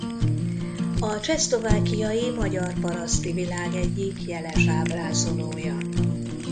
A csehszlovákiai magyar paraszti világ egyik jeles ábrázolója.